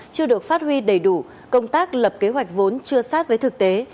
chưa được phát huy đầy đủ công tác lập kế hoạch vốn chưa sát với thực tế